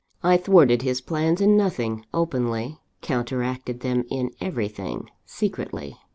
I thwarted his plans in nothing, openly counteracted them in everything, secretly.